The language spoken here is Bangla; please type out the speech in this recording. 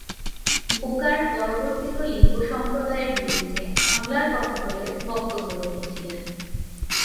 বুকার পরিবর্তিত লিঙ্গ সম্প্রদায়ের বিরুদ্ধে হামলার কথা বলে বক্তব্য রেখেছিলেন।